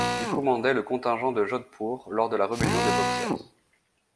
Il commandait le contingent de Jodhpour lors de la rébellion des Boxers.